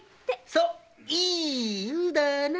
そう「いい湯だな」